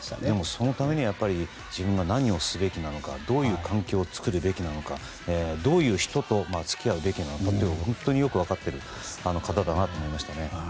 そのためには自分が何をすべきなのかどういう環境を作るべきなのかどういう人と付き合うべきなのかを本当によく分かっている方だなと思いました。